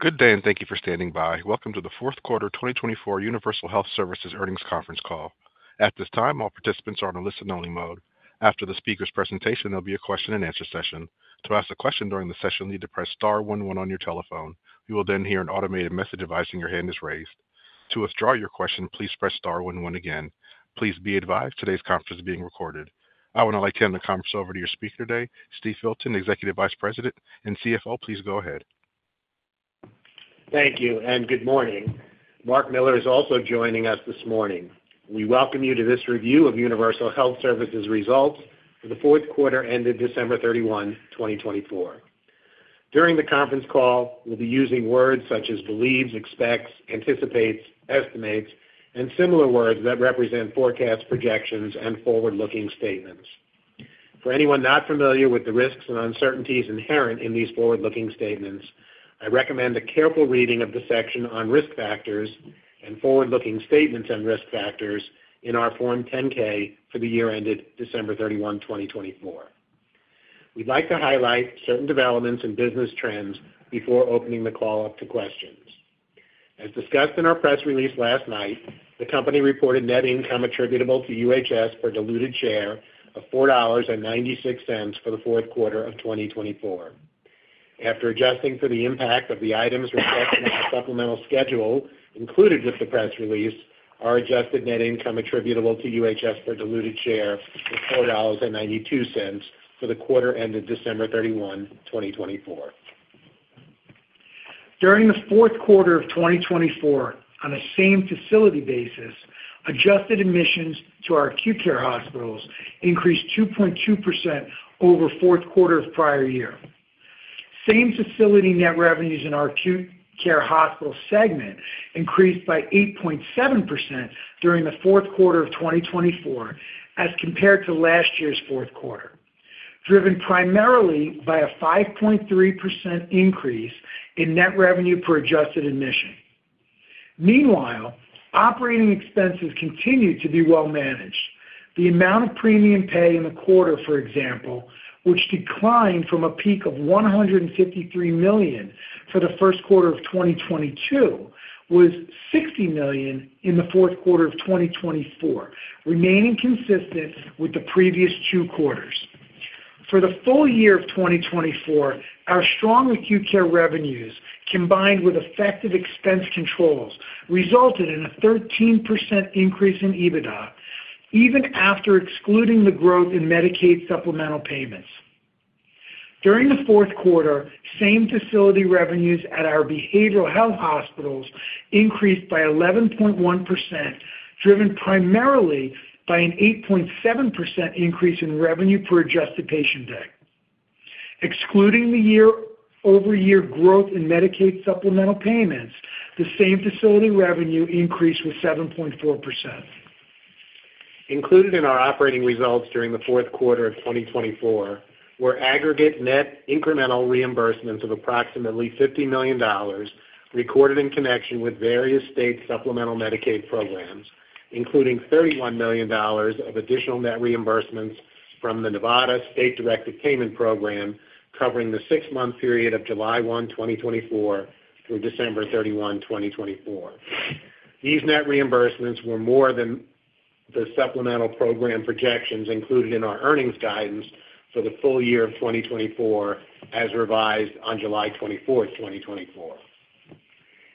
Good day, and thank you for standing by. Welcome to the Fourth Quarter 2024 Universal Health Services earnings conference call. At this time, all participants are on a listen-only mode. After the speaker's presentation, there'll be a question-and-answer session. To ask a question during the session, you need to press star 11 on your telephone. You will then hear an automated message advising your hand is raised. To withdraw your question, please press star 11 again. Please be advised today's conference is being recorded. I would now like to hand the conference over to your speaker today, Steve Filton, Executive Vice President and CFO. Please go ahead. Thank you, and good morning. Marc Miller is also joining us this morning. We welcome you to this review of Universal Health Services results for the fourth quarter ended December 31, 2024. During the conference call, we'll be using words such as believes, expects, anticipates, estimates, and similar words that represent forecasts, projections, and forward-looking statements. For anyone not familiar with the risks and uncertainties inherent in these forward-looking statements, I recommend a careful reading of the section on risk factors and forward-looking statements and risk factors in our Form 10-K for the year ended December 31, 2024. We'd like to highlight certain developments in business trends before opening the call up to questions. As discussed in our press release last night, the company reported net income attributable to UHS for diluted share of $4.96 for the fourth quarter of 2024. After adjusting for the impact of the items reflected in our supplemental schedule included with the press release, our adjusted net income attributable to UHS for diluted share is $4.92 for the quarter ended December 31, 2024. During the fourth quarter of 2024, on a same-facility basis, adjusted admissions to our acute care hospitals increased 2.2% over the fourth quarter of the prior year. Same-facility net revenues in our acute care hospital segment increased by 8.7% during the fourth quarter of 2024 as compared to last year's fourth quarter, driven primarily by a 5.3% increase in net revenue per adjusted admission. Meanwhile, operating expenses continue to be well managed. The amount of premium paid in the quarter, for example, which declined from a peak of $153 million for the first quarter of 2022, was $60 million in the fourth quarter of 2024, remaining consistent with the previous two quarters. For the full year of 2024, our strong acute care revenues, combined with effective expense controls, resulted in a 13% increase in EBITDA, even after excluding the growth in Medicaid supplemental payments. During the fourth quarter, same-facility revenues at our behavioral health hospitals increased by 11.1%, driven primarily by an 8.7% increase in revenue per adjusted patient day. Excluding the year-over-year growth in Medicaid supplemental payments, the same-facility revenue increased with 7.4%. Included in our operating results during the fourth quarter of 2024 were aggregate net incremental reimbursements of approximately $50 million recorded in connection with various state supplemental Medicaid programs, including $31 million of additional net reimbursements from the Nevada State Directed Payment Program covering the six-month period of July 1, 2024, through December 31, 2024. These net reimbursements were more than the supplemental program projections included in our earnings guidance for the full year of 2024, as revised on July 24, 2024.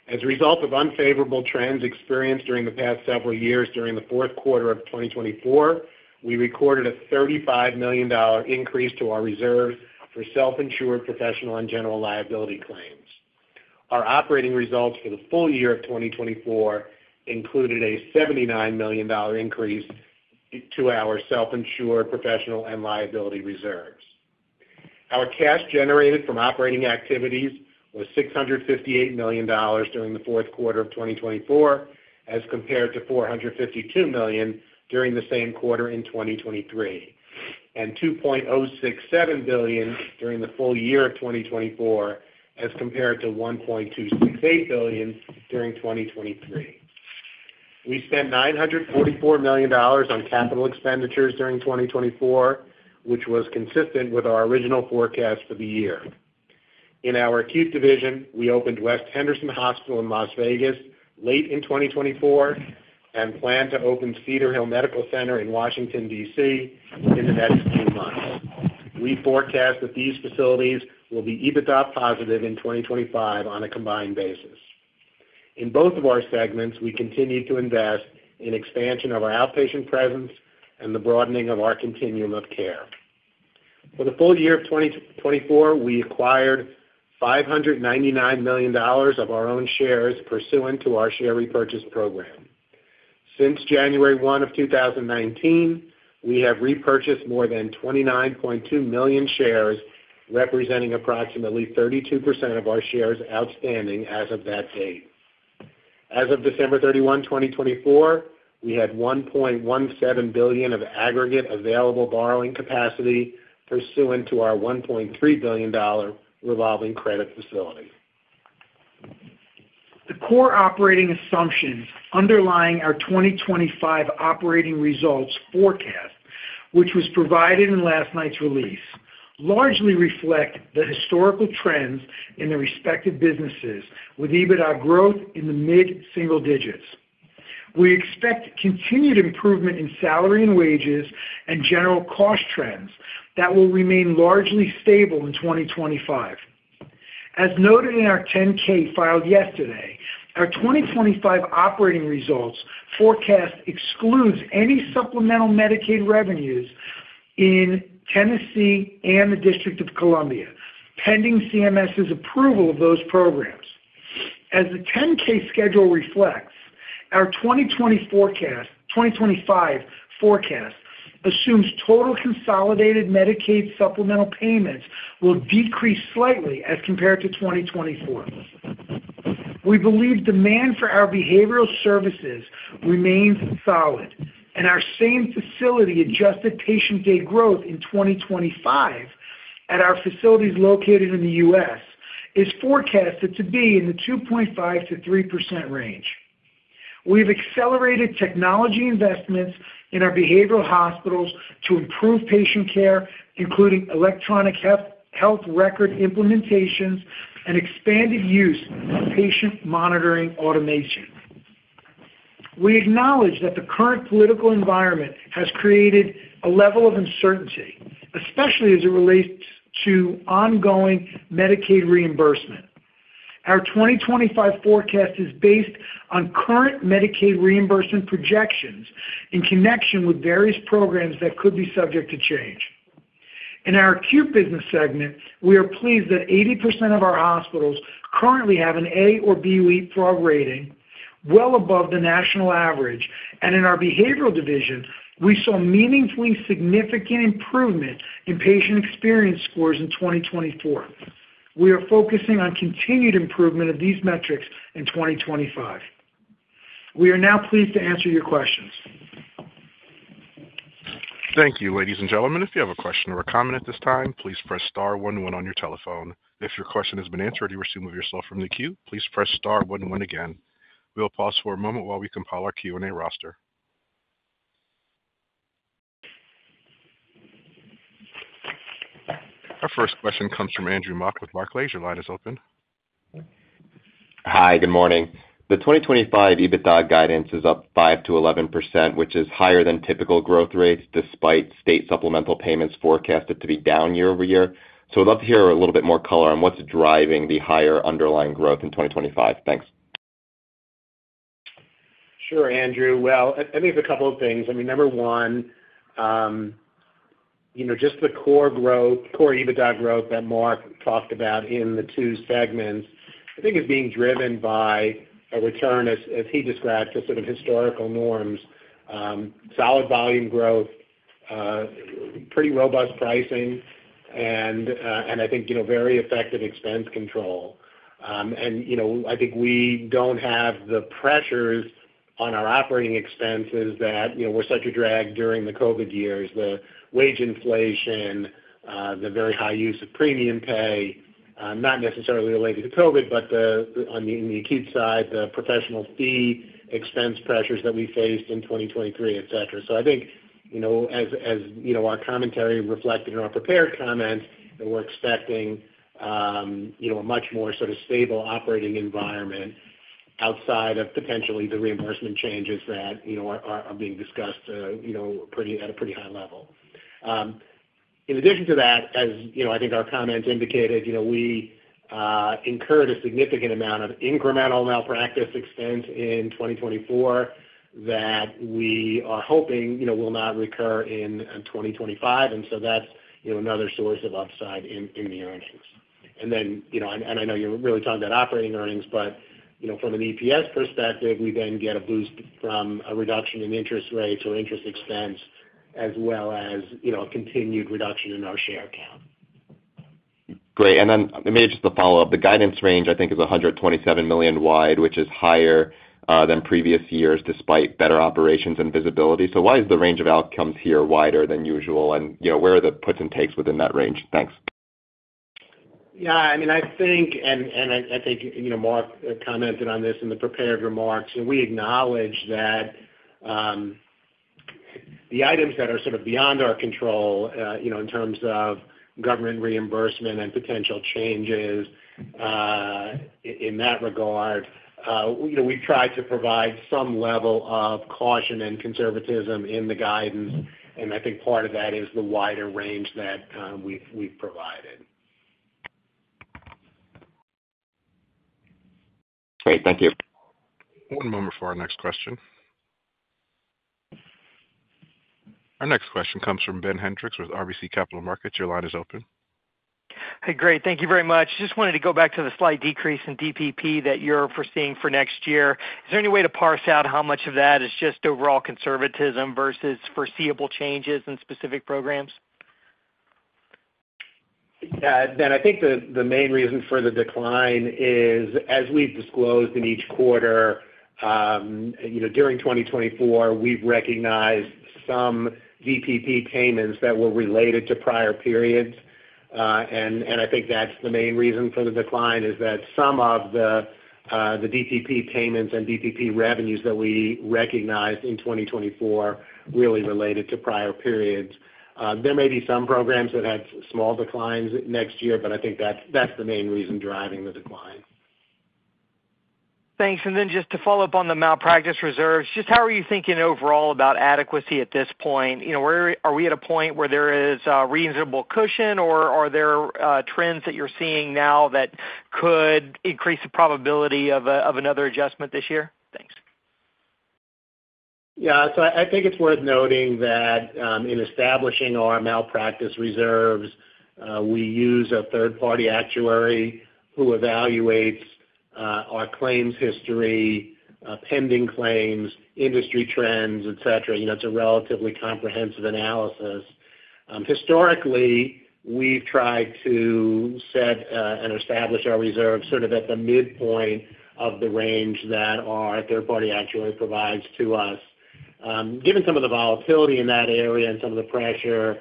As a result of unfavorable trends experienced during the past several years during the fourth quarter of 2024, we recorded a $35 million increase to our reserves for self-insured professional and general liability claims. Our operating results for the full year of 2024 included a $79 million increase to our self-insured professional and liability reserves. Our cash generated from operating activities was $658 million during the fourth quarter of 2024, as compared to $452 million during the same quarter in 2023, and $2.067 billion during the full year of 2024, as compared to $1.268 billion during 2023. We spent $944 million on capital expenditures during 2024, which was consistent with our original forecast for the year. In our acute division, we opened West Henderson Hospital in Las Vegas late in 2024 and plan to open Cedar Hill Regional Medical Center in Washington, D.C., in the next few months. We forecast that these facilities will be EBITDA positive in 2025 on a combined basis. In both of our segments, we continue to invest in expansion of our outpatient presence and the broadening of our continuum of care. For the full year of 2024, we acquired $599 million of our own shares pursuant to our share repurchase program. Since January 1 of 2019, we have repurchased more than 29.2 million shares, representing approximately 32% of our shares outstanding as of that date. As of December 31, 2024, we had $1.17 billion of aggregate available borrowing capacity pursuant to our $1.3 billion revolving credit facility. The core operating assumptions underlying our 2025 operating results forecast, which was provided in last night's release, largely reflect the historical trends in the respective businesses, with EBITDA growth in the mid-single digits. We expect continued improvement in salary and wages and general cost trends that will remain largely stable in 2025. As noted in our 10-K filed yesterday, our 2025 operating results forecast excludes any supplemental Medicaid revenues in Tennessee and the District of Columbia pending CMS's approval of those programs. As the 10-K schedule reflects, our 2025 forecast assumes total consolidated Medicaid supplemental payments will decrease slightly as compared to 2024. We believe demand for our behavioral services remains solid, and our same-facility adjusted patient day growth in 2025 at our facilities located in the U.S. is forecasted to be in the 2.5%-3% range. We've accelerated technology Investments in our behavioral hospitals to improve patient care, including electronic health record implementations and expanded use of patient monitoring automation. We acknowledge that the current political environment has created a level of uncertainty, especially as it relates to ongoing Medicaid reimbursement. Our 2025 forecast is based on current Medicaid reimbursement projections in connection with various programs that could be subject to change. In our acute business segment, we are pleased that 80% of our hospitals currently have an A or B grade in our rating, well above the national average. In our behavioral division, we saw meaningfully significant improvement in patient experience scores in 2024. We are focusing on continued improvement of these metrics in 2025. We are now pleased to answer your questions. Thank you, ladies and gentlemen. If you have a question or a comment at this time, please press star 11 on your telephone. If your question has been answered or you were assumed to be yourself from the queue, please press star 11 again. We will pause for a moment while we compile our Q&A roster. Our first question comes from Andrew Mok with Barclays. Line is open. Hi, good morning. The 2025 EBITDA guidance is up 5% to 11%, which is higher than typical growth rates, despite state supplemental payments forecasted to be down year over year. So we'd love to hear a little bit more color on what's driving the higher underlying growth in 2025. Thanks. Sure, Andrew. Well, I think there's a couple of things. I mean, number one, just the core growth, core EBITDA growth that Marc talked about in the two segments, I think is being driven by a return, as he described, to sort of historical norms: solid volume growth, pretty robust pricing, and I think very effective expense control, and I think we don't have the pressures on our operating expenses that were such a drag during the COVID years. The wage inflation, the very high use of premium pay, not necessarily related to COVID, but on the acute side, the professional fee expense pressures that we faced in 2023, etc., so I think, as our commentary reflected in our prepared comments, that we're expecting a much more sort of stable operating environment outside of potentially the reimbursement changes that are being discussed at a pretty high level. In addition to that, as I think our comments indicated, we incurred a significant amount of incremental malpractice expense in 2024 that we are hoping will not recur in 2025, and so that's another source of upside in the earnings, and then I know you're really talking about operating earnings, but from an EPS perspective, we then get a boost from a reduction in interest rates or interest expense, as well as a continued reduction in our share count. Great. And then maybe just a follow-up. The guidance range, I think, is $127 million wide, which is higher than previous years, despite better operations and visibility. So why is the range of outcomes here wider than usual? And where are the puts and takes within that range? Thanks. Yeah, I mean, I think, and I think Marc commented on this in the prepared remarks, and we acknowledge that the items that are sort of beyond our control in terms of government reimbursement and potential changes in that regard. We've tried to provide some level of caution and conservatism in the guidance. I think part of that is the wider range that we've provided. Great. Thank you. One moment for our next question. Our next question comes from Ben Hendrix with RBC Capital Markets. Your line is open. Hey, great. Thank you very much. Just wanted to go back to the slight decrease in DPP that you're foreseeing for next year. Is there any way to parse out how much of that is just overall conservatism versus foreseeable changes in specific programs? Yeah, Ben, I think the main reason for the decline is, as we've disclosed in each quarter, during 2024, we've recognized some DPP payments that were related to prior periods. And I think that's the main reason for the decline, is that some of the DPP payments and DPP revenues that we recognized in 2024 really related to prior periods. There may be some programs that had small declines next year, but I think that's the main reason driving the decline. Thanks. And then just to follow up on the malpractice reserves, just how are you thinking overall about adequacy at this point? Are we at a point where there is a reasonable cushion, or are there trends that you're seeing now that could increase the probability of another adjustment this year? Thanks. Yeah, so I think it's worth noting that in establishing our malpractice reserves, we use a third-party actuary who evaluates our claims history, pending claims, industry trends, etc. It's a relatively comprehensive analysis. Historically, we've tried to set and establish our reserves sort of at the midpoint of the range that our third-party actuary provides to us. Given some of the volatility in that area and some of the pressure,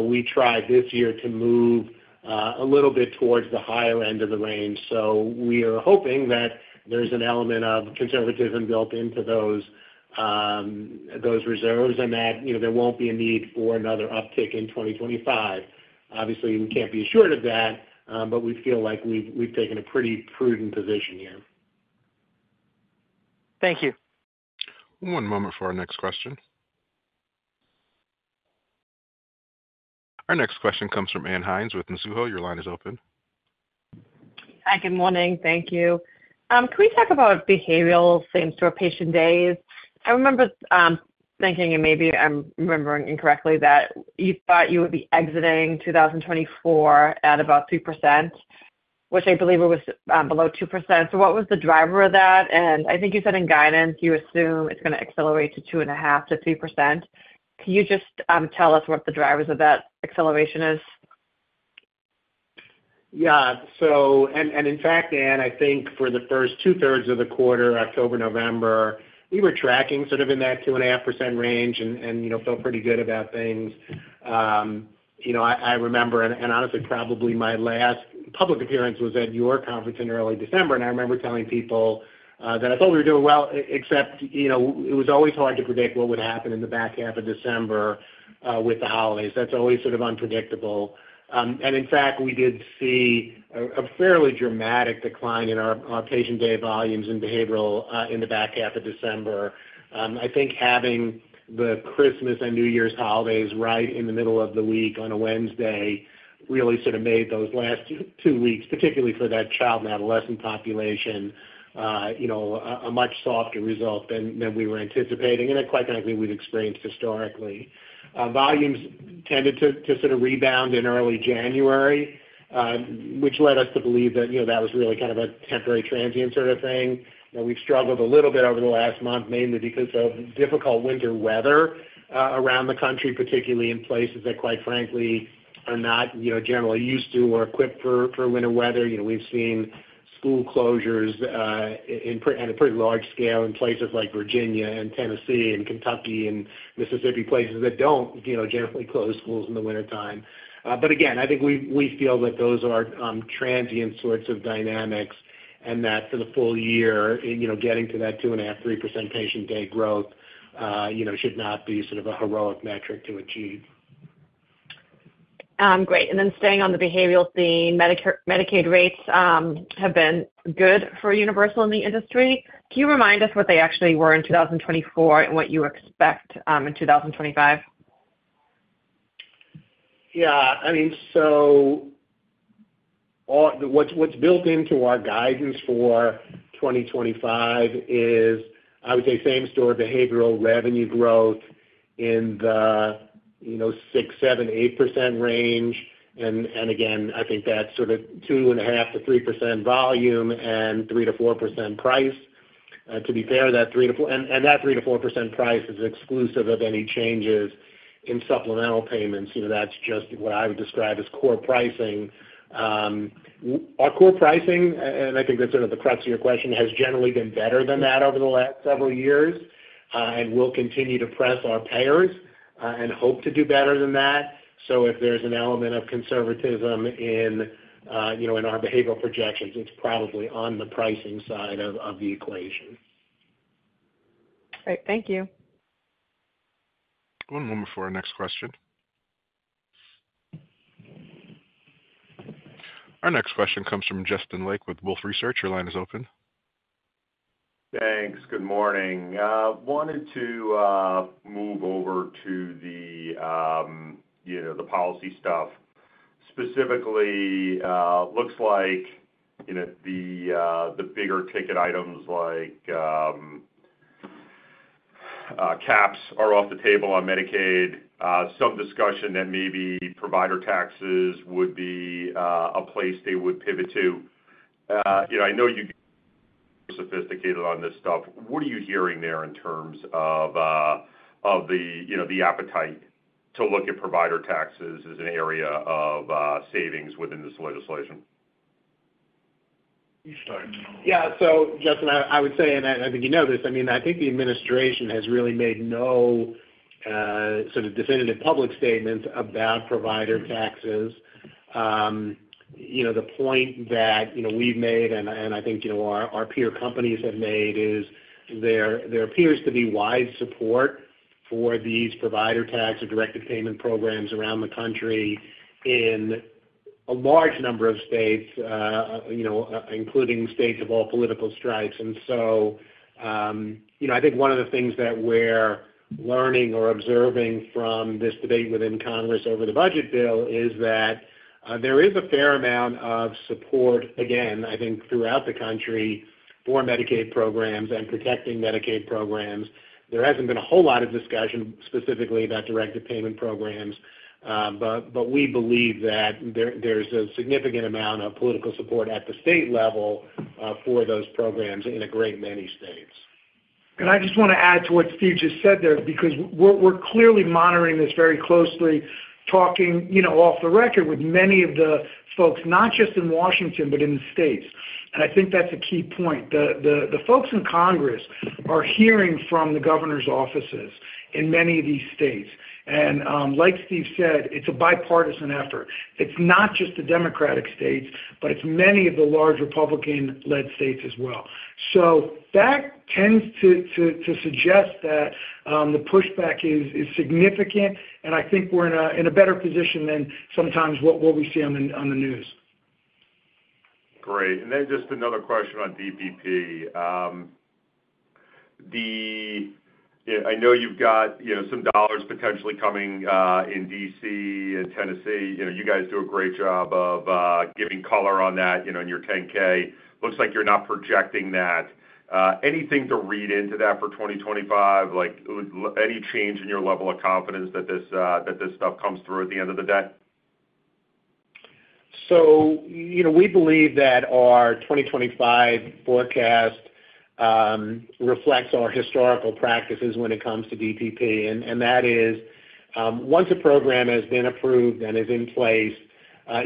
we tried this year to move a little bit towards the higher end of the range. So we are hoping that there's an element of conservatism built into those reserves and that there won't be a need for another uptick in 2025. Obviously, we can't be assured of that, but we feel like we've taken a pretty prudent position here. Thank you. One moment for our next question. Our next question comes from Ann Hynes with Mizuho. Your line is open. Hi, good morning. Thank you. Can we talk about behavioral contribution to our patient days? I remember thinking, and maybe I'm remembering incorrectly, that you thought you would be exiting 2024 at about 3%, which I believe it was below 2%. So what was the driver of that? And I think you said in guidance you assume it's going to accelerate to 2.5%-3%. Can you just tell us what the drivers of that acceleration is? Yeah. So, and in fact, Ann, I think for the first two-thirds of the quarter, October, November, we were tracking sort of in that 2.5% range and felt pretty good about things. I remember, and honestly, probably my last public appearance was at your conference in early December. And I remember telling people that I thought we were doing well, except it was always hard to predict what would happen in the back half of December with the holidays. That's always sort of unpredictable. And in fact, we did see a fairly dramatic decline in our patient day volumes and behavioral in the back half of December. I think having the Christmas and New Year's holidays right in the middle of the week on a Wednesday really sort of made those last two weeks, particularly for that child and adolescent population, a much softer result than we were anticipating. Quite frankly, we've experienced historically, volumes tended to sort of rebound in early January, which led us to believe that that was really kind of a temporary transient sort of thing. We've struggled a little bit over the last month, mainly because of difficult winter weather around the country, particularly in places that, quite frankly, are not generally used to or equipped for winter weather. We've seen school closures at a pretty large scale in places like Virginia and Tennessee and Kentucky and Mississippi, places that don't generally close schools in the wintertime. Again, I think we feel that those are transient sorts of dynamics and that for the full year, getting to that 2.5%-3% patient day growth should not be sort of a heroic metric to achieve. Great. And then staying on the behavioral theme, Medicaid rates have been good for Universal in the industry. Can you remind us what they actually were in 2024 and what you expect in 2025? Yeah. I mean, so what's built into our guidance for 2025 is, I would say, same-store behavioral revenue growth in the 6%-8% range. And again, I think that's sort of 2.5%-3% volume and 3%-4% price. To be fair, that 3%-4% and that 3%-4% price is exclusive of any changes in supplemental payments. That's just what I would describe as core pricing. Our core pricing, and I think that's sort of the crux of your question, has generally been better than that over the last several years and will continue to press our payers and hope to do better than that. So if there's an element of conservatism in our behavioral projections, it's probably on the pricing side of the equation. Great. Thank you. One moment for our next question. Our next question comes from Justin Lake with Wolfe Research. Your line is open. Thanks. Good morning. Wanted to move over to the policy stuff. Specifically, looks like the bigger ticket items like caps are off the table on Medicaid, some discussion that maybe provider taxes would be a place they would pivot to. I know you're sophisticated on this stuff. What are you hearing there in terms of the appetite to look at provider taxes as an area of savings within this legislation? Yeah. So Justin, I would say, and I think you know this, I mean, I think the administration has really made no sort of definitive public statements about provider taxes. The point that we've made, and I think our peer companies have made, is there appears to be wide support for these provider tax or directed payment programs around the country in a large number of states, including states of all political stripes. And so I think one of the things that we're learning or observing from this debate within Congress over the budget bill is that there is a fair amount of support, again, I think, throughout the country for Medicaid programs and protecting Medicaid programs. There hasn't been a whole lot of discussion specifically about directed payment programs, but we believe that there's a significant amount of political support at the state level for those programs in a great many states. And I just want to add to what Steve just said there because we're clearly monitoring this very closely, talking off the record with many of the folks, not just in Washington, but in the states. And I think that's a key point. The folks in Congress are hearing from the governors' offices in many of these states. And like Steve said, it's a bipartisan effort. It's not just the Democratic states, but it's many of the large Republican-led states as well. So that tends to suggest that the pushback is significant, and I think we're in a better position than sometimes what we see on the news. Great. And then just another question on DPP. I know you've got some dollars potentially coming in DC and Tennessee. You guys do a great job of giving color on that in your 10-K. Looks like you're not projecting that. Anything to read into that for 2025? Any change in your level of confidence that this stuff comes through at the end of the day? We believe that our 2025 forecast reflects our historical practices when it comes to DPP. And that is, once a program has been approved and is in place,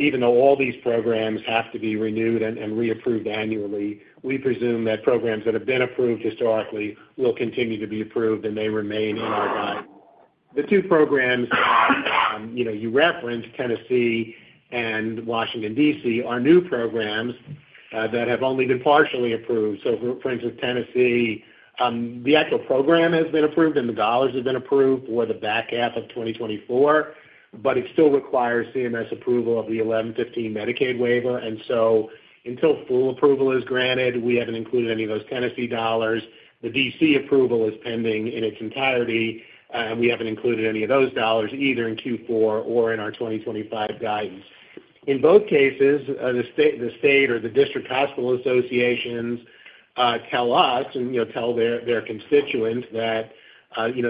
even though all these programs have to be renewed and reapproved annually, we presume that programs that have been approved historically will continue to be approved and they remain in our guidance. The two programs you referenced, Tennessee and Washington, D.C., are new programs that have only been partially approved. For instance, Tennessee, the actual program has been approved and the dollars have been approved for the back half of 2024, but it still requires CMS approval of the 1115 Medicaid waiver. Until full approval is granted, we haven't included any of those Tennessee dollars. The D.C. approval is pending in its entirety, and we haven't included any of those dollars either in Q4 or in our 2025 guidance. In both cases, the state or the district hospital associations tell us and tell their constituents that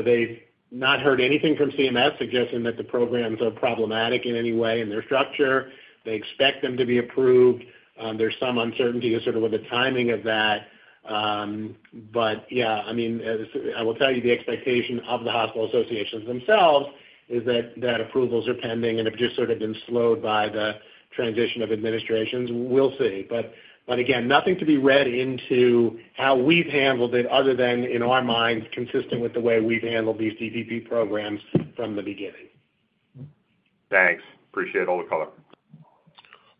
they've not heard anything from CMS suggesting that the programs are problematic in any way in their structure. They expect them to be approved. There's some uncertainty as sort of with the timing of that. But yeah, I mean, I will tell you the expectation of the hospital associations themselves is that approvals are pending and have just sort of been slowed by the transition of administrations. We'll see. But again, nothing to be read into how we've handled it other than in our minds, consistent with the way we've handled these DPP programs from the beginning. Thanks. Appreciate all the color.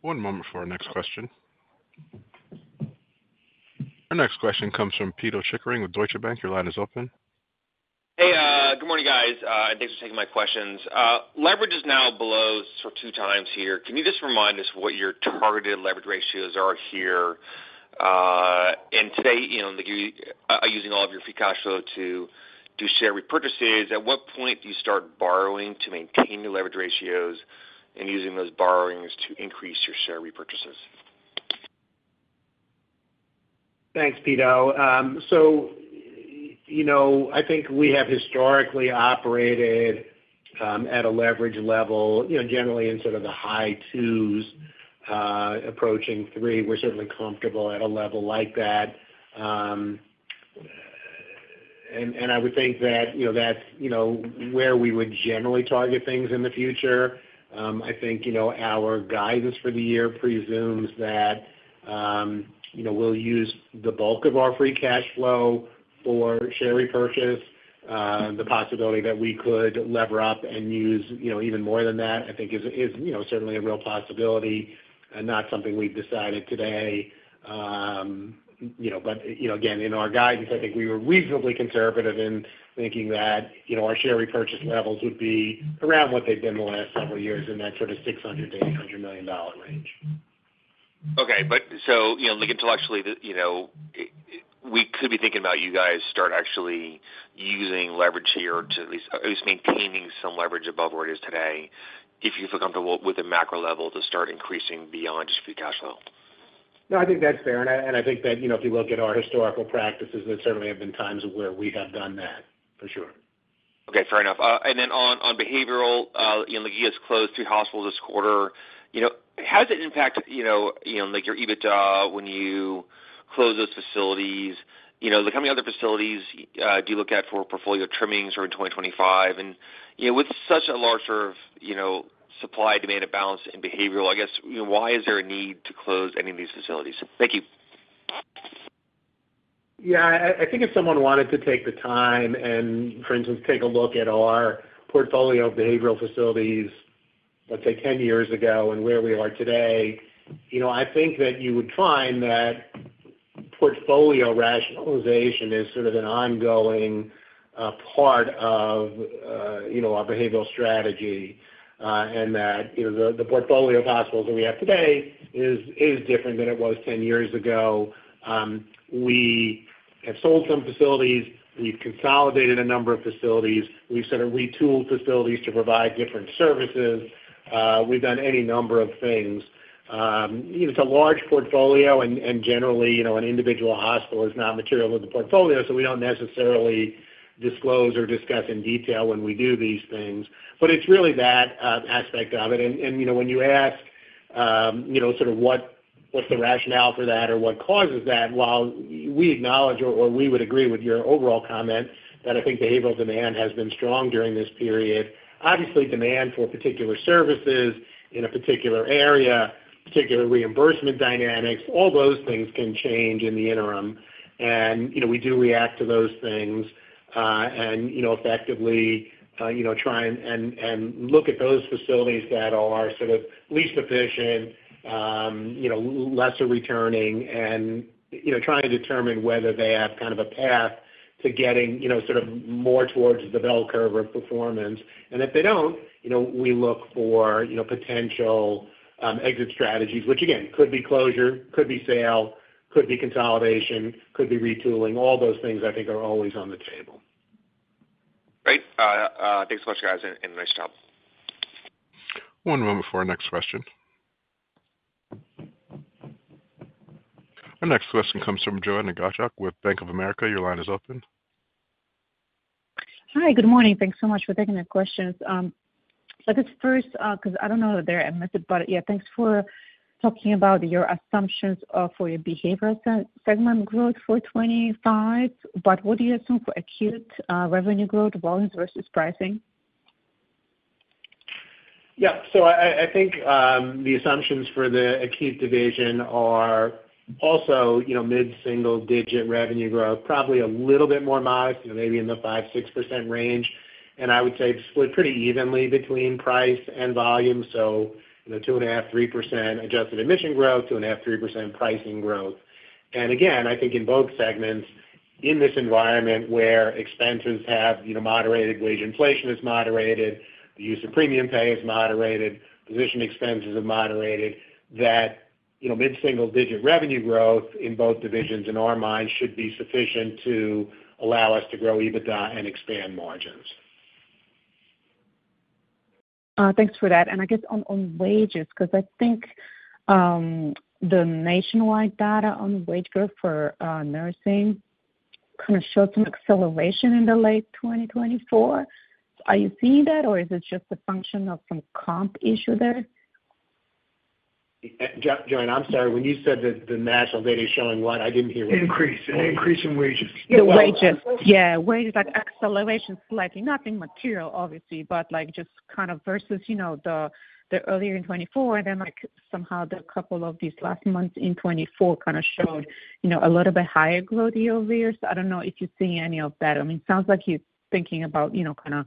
One moment for our next question. Our next question comes from Pito Chickering with Deutsche Bank. Your line is open. Hey, good morning, guys. And thanks for taking my questions. Leverage is now below sort of two times here. Can you just remind us what your targeted leverage ratios are here? And today, are you using all of your free cash flow to do share repurchases? At what point do you start borrowing to maintain your leverage ratios and using those borrowings to increase your share repurchases? Thanks, Pito. So I think we have historically operated at a leverage level, generally in sort of the high twos, approaching three. We're certainly comfortable at a level like that. And I would think that that's where we would generally target things in the future. I think our guidance for the year presumes that we'll use the bulk of our free cash flow for share repurchase. The possibility that we could lever up and use even more than that, I think, is certainly a real possibility and not something we've decided today. But again, in our guidance, I think we were reasonably conservative in thinking that our share repurchase levels would be around what they've been the last several years in that sort of $600 million-$800 million range. Okay. But so, intellectually, we could be thinking about you guys start actually using leverage here to at least maintaining some leverage above where it is today, if you feel comfortable with a macro level to start increasing beyond just free cash flow. No, I think that's fair, and I think that if you look at our historical practices, there certainly have been times where we have done that, for sure. Okay. Fair enough. And then on behavioral, you close three hospitals this quarter. How does it impact your EBITDA when you close those facilities? How many other facilities do you look at for portfolio trimmings for 2025? And with such a larger supply-demand imbalance in behavioral, I guess, why is there a need to close any of these facilities? Thank you. Yeah. I think if someone wanted to take the time and, for instance, take a look at our portfolio of behavioral facilities, let's say, 10 years ago and where we are today, I think that you would find that portfolio rationalization is sort of an ongoing part of our behavioral strategy and that the portfolio of hospitals that we have today is different than it was 10 years ago. We have sold some facilities. We've consolidated a number of facilities. We've sort of retooled facilities to provide different services. We've done any number of things. It's a large portfolio, and generally, an individual hospital is not material to the portfolio, so we don't necessarily disclose or discuss in detail when we do these things. But it's really that aspect of it. When you ask sort of what's the rationale for that or what causes that, while we acknowledge or we would agree with your overall comment that I think behavioral demand has been strong during this period, obviously, demand for particular services in a particular area, particular reimbursement dynamics, all those things can change in the interim. We do react to those things and effectively try and look at those facilities that are sort of least efficient, lesser returning, and try and determine whether they have kind of a path to getting sort of more towards the bell curve of performance. If they don't, we look for potential exit strategies, which, again, could be closure, could be sale, could be consolidation, could be retooling. All those things, I think, are always on the table. Great. Thanks so much, guys, and nice job. One moment for our next question. Our next question comes from Joanna Gajuk with Bank of America. Your line is open. Hi. Good morning. Thanks so much for taking the questions. So I guess first, because I don't know that they're admitted, but yeah, thanks for talking about your assumptions for your behavioral segment growth for 2025. But what do you assume for acute revenue growth, volumes versus pricing? Yeah. So I think the assumptions for the acute division are also mid-single-digit revenue growth, probably a little bit more modest, maybe in the 5%-6% range. And I would say it's split pretty evenly between price and volume. So 2.5%-3% adjusted admission growth, 2.5%-3% pricing growth. And again, I think in both segments, in this environment where expenses have moderated, wage inflation is moderated, the use of premium pay is moderated, physician expenses are moderated, that mid-single-digit revenue growth in both divisions in our minds should be sufficient to allow us to grow EBITDA and expand margins. Thanks for that, and I guess on wages, because I think the nationwide data on wage growth for nursing kind of showed some acceleration in the late 2024. Are you seeing that, or is it just a function of some comp issue there? Joanna, I'm sorry. When you said that the national data is showing what, I didn't hear what you meant. Increase in wages. Yeah. Wages. Yeah. Wages, acceleration slightly. Nothing material, obviously, but just kind of versus the earlier in 2024, and then somehow the couple of these last months in 2024 kind of showed a little bit higher growth year over year. So I don't know if you're seeing any of that. I mean, it sounds like you're thinking about kind of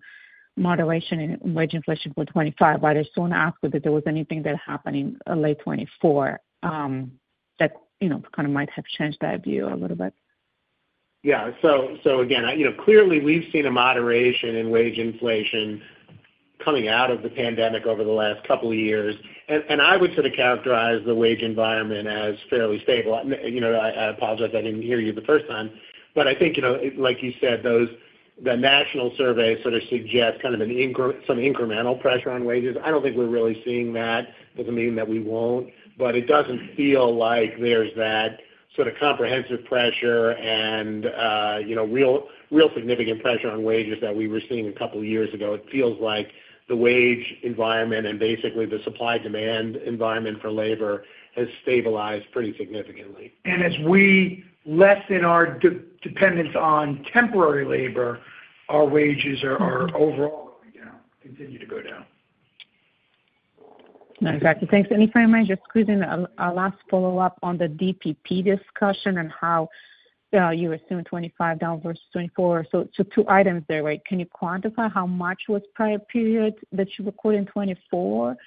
moderation in wage inflation for 2025, but I just want to ask you if there was anything that happened in late 2024 that kind of might have changed that view a little bit. Yeah. So again, clearly, we've seen a moderation in wage inflation coming out of the pandemic over the last couple of years. And I would sort of characterize the wage environment as fairly stable. I apologize. I didn't hear you the first time. But I think, like you said, the national survey sort of suggests kind of some incremental pressure on wages. I don't think we're really seeing that. It doesn't mean that we won't. But it doesn't feel like there's that sort of comprehensive pressure and real significant pressure on wages that we were seeing a couple of years ago. It feels like the wage environment and basically the supply-demand environment for labor has stabilized pretty significantly. As we lessen our dependence on temporary labor, our wages are overall going down, continue to go down. Exactly. Thanks. And if I may, just quickly a last follow-up on the DPP discussion and how you assume 2025 down versus 2024. So two items there, right? Can you quantify how much was prior period that you recorded in 2024?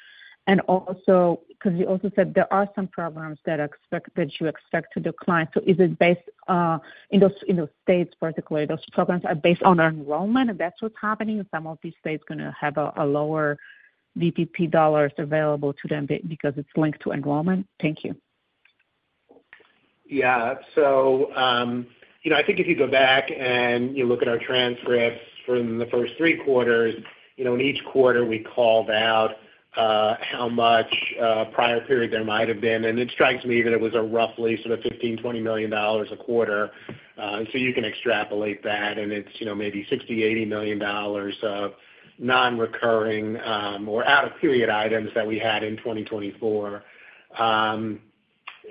And also because you also said there are some programs that you expect to decline. So is it based in those states, particularly, those programs are based on enrollment, and that's what's happening? Some of these states are going to have lower DPP dollars available to them because it's linked to enrollment? Thank you. Yeah. So I think if you go back and you look at our transcripts from the first three quarters, in each quarter, we call out how much prior period there might have been. And it strikes me that it was a roughly sort of $15-$20 million a quarter. So you can extrapolate that, and it's maybe $60-$80 million of non-recurring or out-of-period items that we had in 2024. And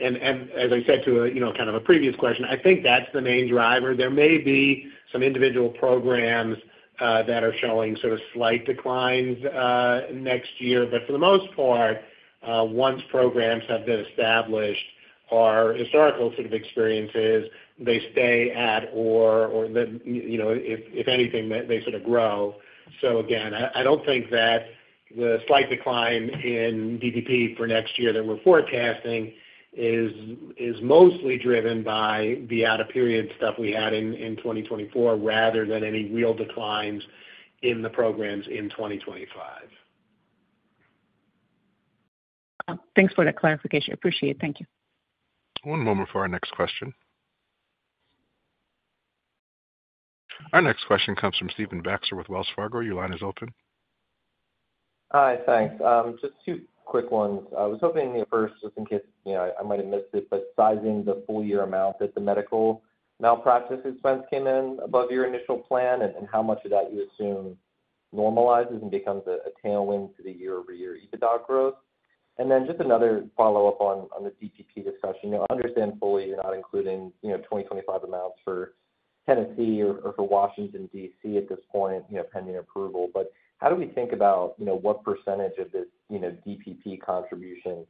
as I said to kind of a previous question, I think that's the main driver. There may be some individual programs that are showing sort of slight declines next year. But for the most part, once programs have been established, our historical sort of experiences, they stay at or, if anything, they sort of grow. So again, I don't think that the slight decline in DPP for next year that we're forecasting is mostly driven by the out-of-period stuff we had in 2024 rather than any real declines in the programs in 2025. Thanks for that clarification. Appreciate it. Thank you. One moment for our next question. Our next question comes from Stephen Baxter with Wells Fargo. Your line is open. Hi. Thanks. Just two quick ones. I was hoping at first, just in case I might have missed it, but sizing the full-year amount that the medical malpractice expense came in above your initial plan and how much of that you assume normalizes and becomes a tailwind to the year-over-year EBITDA growth? And then just another follow-up on the DPP discussion. I understand fully you're not including 2025 amounts for Tennessee or for Washington, D.C. at this point, pending approval. But how do we think about what percentage of this DPP contribution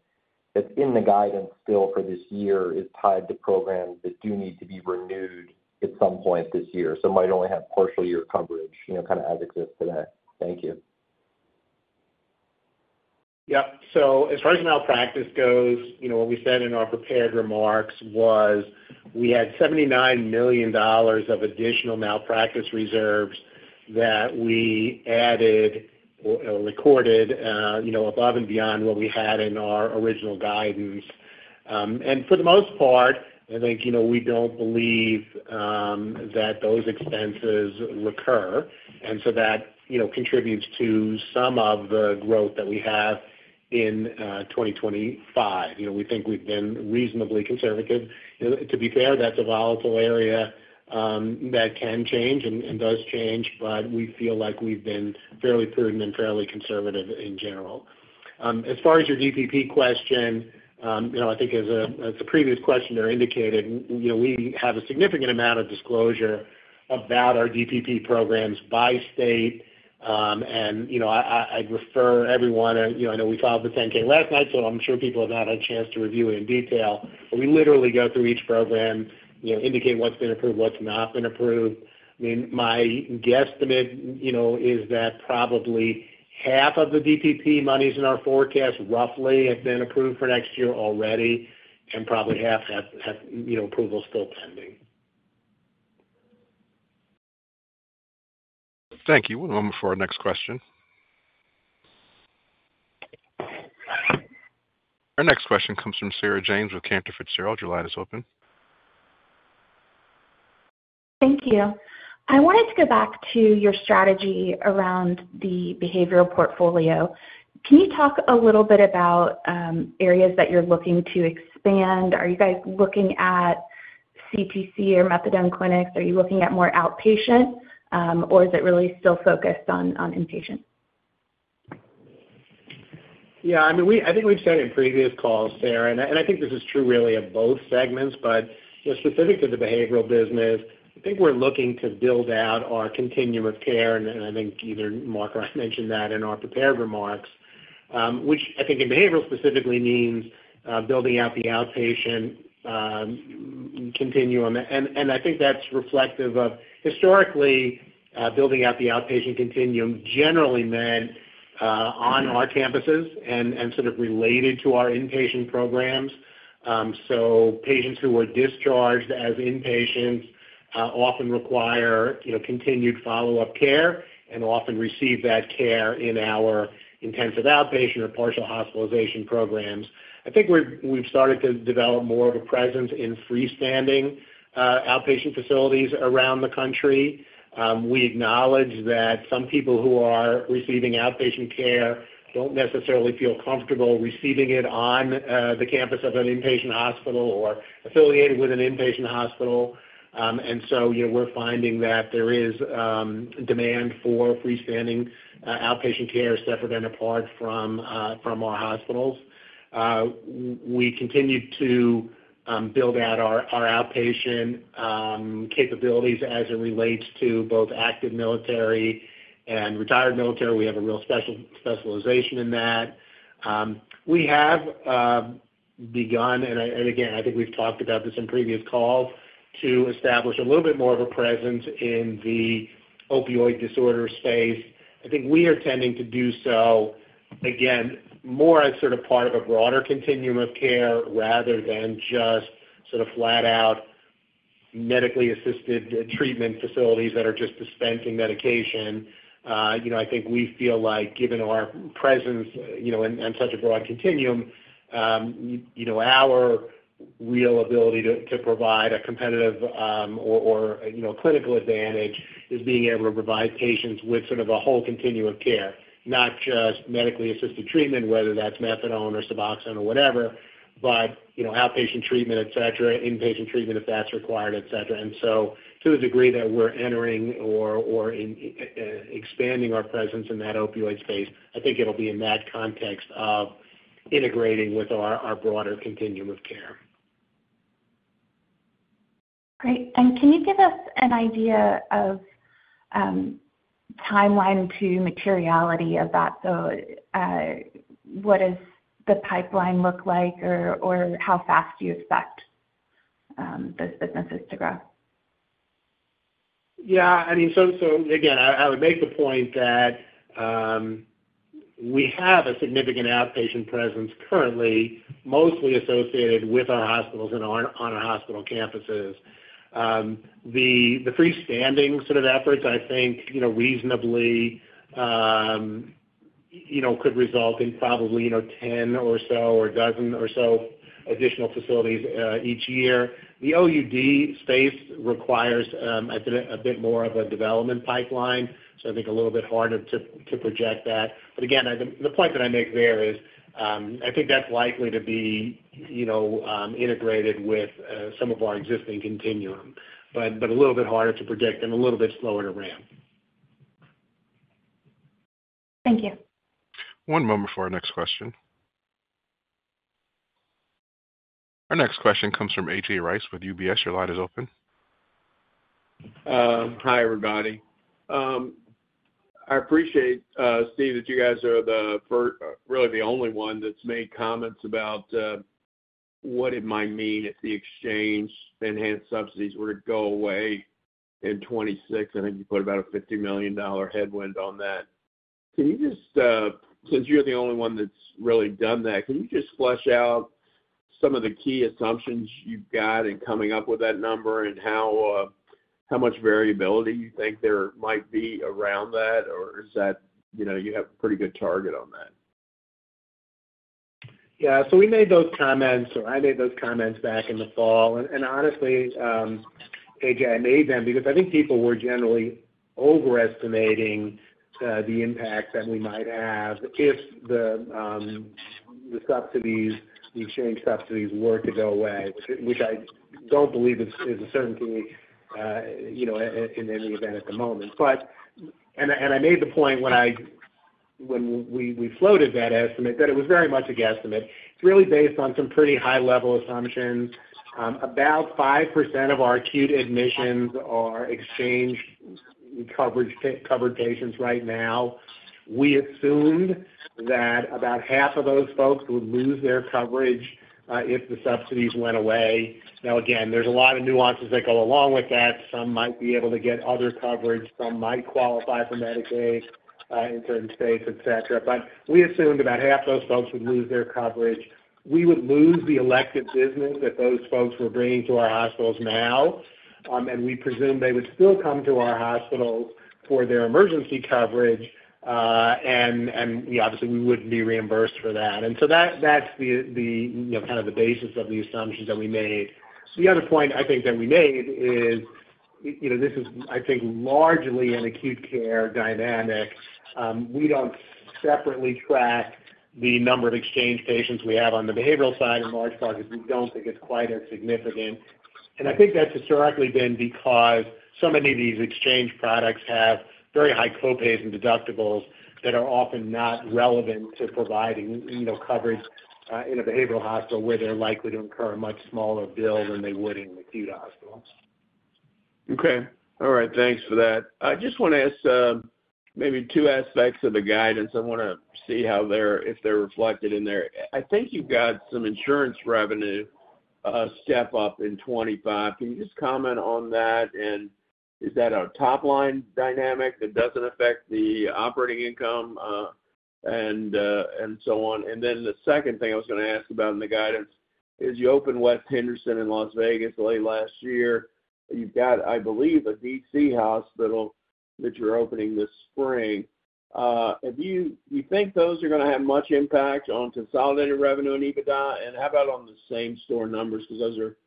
that's in the guidance still for this year is tied to programs that do need to be renewed at some point this year, so might only have partial-year coverage kind of as it exists today? Thank you. Yep. So as far as malpractice goes, what we said in our prepared remarks was we had $79 million of additional malpractice reserves that we added or recorded above and beyond what we had in our original guidance, and for the most part, I think we don't believe that those expenses recur, and so that contributes to some of the growth that we have in 2025. We think we've been reasonably conservative. To be fair, that's a volatile area that can change and does change, but we feel like we've been fairly prudent and fairly conservative in general. As far as your DPP question, I think as the previous questionnaire indicated, we have a significant amount of disclosure about our DPP programs by state. I'd refer everyone to. I know we filed the 10-K last night, so I'm sure people have not had a chance to review it in detail. But we literally go through each program, indicate what's been approved, what's not been approved. I mean, my guesstimate is that probably half of the DPP monies in our forecast roughly have been approved for next year already, and probably half have approvals still pending. Thank you. One moment for our next question. Our next question comes from Sarah James with Cantor Fitzgerald. Would you like to open? Thank you. I wanted to go back to your strategy around the behavioral portfolio. Can you talk a little bit about areas that you're looking to expand? Are you guys looking at CTC or methadone clinics? Are you looking at more outpatient, or is it really still focused on inpatient? Yeah. I mean, I think we've said in previous calls, Sarah, and I think this is true really of both segments. But specific to the behavioral business, I think we're looking to build out our continuum of care. And I think either Mark or I mentioned that in our prepared remarks, which I think in behavioral specifically means building out the outpatient continuum. And I think that's reflective of historically building out the outpatient continuum generally meant on our campuses and sort of related to our inpatient programs. So patients who were discharged as inpatients often require continued follow-up care and often receive that care in our intensive outpatient or partial hospitalization programs. I think we've started to develop more of a presence in freestanding outpatient facilities around the country. We acknowledge that some people who are receiving outpatient care don't necessarily feel comfortable receiving it on the campus of an inpatient hospital or affiliated with an inpatient hospital, and so we're finding that there is demand for freestanding outpatient care separate and apart from our hospitals. We continue to build out our outpatient capabilities as it relates to both active military and retired military. We have a real special specialization in that. We have begun, and again, I think we've talked about this in previous calls, to establish a little bit more of a presence in the opioid disorder space. I think we are tending to do so, again, more as sort of part of a broader continuum of care rather than just sort of flat-out medically assisted treatment facilities that are just dispensing medication. I think we feel like, given our presence and such a broad continuum, our real ability to provide a competitive or clinical advantage is being able to provide patients with sort of a whole continuum of care, not just medically assisted treatment, whether that's methadone or Suboxone or whatever, but outpatient treatment, etc., inpatient treatment if that's required, etc. To the degree that we're entering or expanding our presence in that opioid space, I think it'll be in that context of integrating with our broader continuum of care. Great. And can you give us an idea of timeline to materiality of that? So what does the pipeline look like, or how fast do you expect those businesses to grow? Yeah. I mean, so again, I would make the point that we have a significant outpatient presence currently, mostly associated with our hospitals and on our hospital campuses. The freestanding sort of efforts, I think, reasonably could result in probably 10 or so or a dozen or so additional facilities each year. The OUD space requires a bit more of a development pipeline. So I think a little bit harder to project that. But again, the point that I make there is I think that's likely to be integrated with some of our existing continuum, but a little bit harder to predict and a little bit slower to ramp. Thank you. One moment for our next question. Our next question comes from AJ Rice with UBS. Your line is open. Hi, everybody. I appreciate, Steve, that you guys are really the only one that's made comments about what it might mean if the exchange-enhanced subsidies were to go away in 2026. I think you put about a $50 million headwind on that. Since you're the only one that's really done that, can you just flesh out some of the key assumptions you've got in coming up with that number and how much variability you think there might be around that, or is that you have a pretty good target on that? Yeah, so we made those comments, or I made those comments back in the fall, and honestly, AJ, I made them because I think people were generally overestimating the impact that we might have if the exchange subsidies were to go away, which I don't believe is a certainty in any event at the moment, and I made the point when we floated that estimate that it was very much a guesstimate. It's really based on some pretty high-level assumptions. About 5% of our acute admissions are exchange-covered patients right now. We assumed that about half of those folks would lose their coverage if the subsidies went away. Now, again, there's a lot of nuances that go along with that. Some might be able to get other coverage. Some might qualify for Medicaid in certain states, etc., but we assumed about half of those folks would lose their coverage. We would lose the elective business that those folks were bringing to our hospitals now. And we presumed they would still come to our hospitals for their emergency coverage. And obviously, we wouldn't be reimbursed for that. And so that's kind of the basis of the assumptions that we made. The other point I think that we made is this is, I think, largely an acute care dynamic. We don't separately track the number of exchange patients we have on the behavioral side in large part because we don't think it's quite as significant. And I think that's historically been because so many of these exchange products have very high copays and deductibles that are often not relevant to providing coverage in a behavioral hospital where they're likely to incur a much smaller bill than they would in an acute hospital. Okay. All right. Thanks for that. I just want to ask maybe two aspects of the guidance. I want to see if they're reflected in there. I think you've got some insurance revenue step up in 2025. Can you just comment on that? And is that a top-line dynamic that doesn't affect the operating income and so on? And then the second thing I was going to ask about in the guidance is you opened West Henderson in Las Vegas late last year. You've got, I believe, a DC hospital that you're opening this spring. Do you think those are going to have much impact on consolidated revenue and EBITDA? And how about on the same-store numbers? Because those are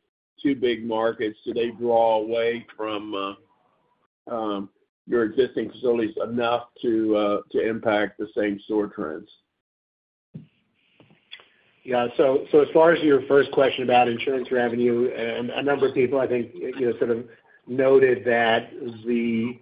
two big markets. Do they draw away from your existing facilities enough to impact the same-store trends? Yeah. So as far as your first question about insurance revenue, a number of people, I think, sort of noted that the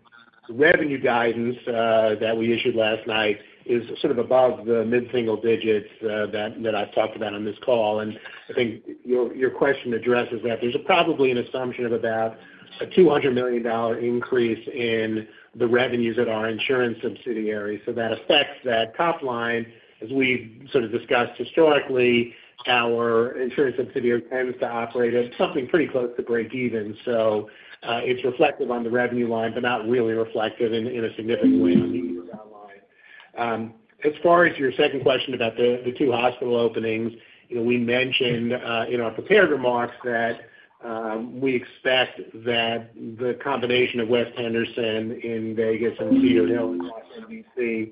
revenue guidance that we issued last night is sort of above the mid-single digits that I've talked about on this call. And I think your question addresses that. There's probably an assumption of about a $200 million increase in the revenues at our insurance subsidiary. So that affects that top line. As we've sort of discussed historically, our insurance subsidiary tends to operate at something pretty close to break-even. So it's reflective on the revenue line, but not really reflective in a significant way on the EBITDA line. As far as your second question about the two hospital openings, we mentioned in our prepared remarks that we expect that the combination of West Henderson in Vegas and Cedar Hill in Washington, D.C.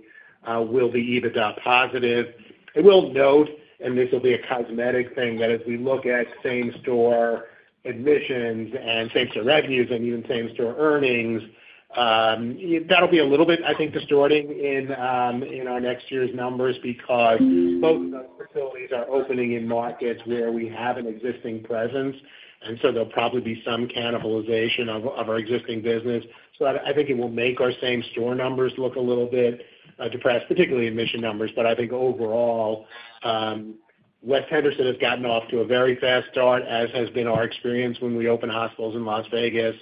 will be EBITDA positive. I will note, and this will be a cosmetic thing, that as we look at same-store admissions and same-store revenues and even same-store earnings, that'll be a little bit, I think, distorting in our next year's numbers because both of those facilities are opening in markets where we have an existing presence. And so there'll probably be some cannibalization of our existing business. So I think it will make our same-store numbers look a little bit depressed, particularly admission numbers. But I think overall, West Henderson has gotten off to a very fast start, as has been our experience when we opened hospitals in Las Vegas.